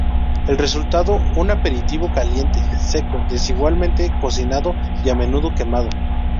El resultado un aperitivo caliente, seco, desigualmente cocinado y a menudo quemado.